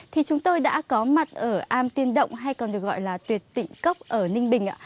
thì chúng tôi đã có mặt ở am tiên động hay còn được gọi là tuyệt tịnh cốc ở ninh bình ạ